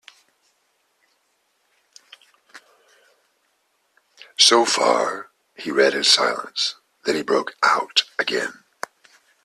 So far, he read in silence; then he broke out again.